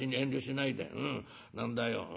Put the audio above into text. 何だよ